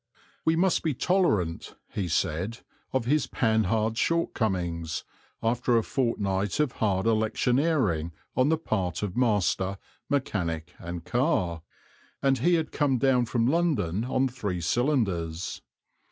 We must be tolerant, he said, of his Panhard's shortcomings, after a fortnight of hard electioneering on the part of master, mechanic, and car; and he had come down from London on three cylinders.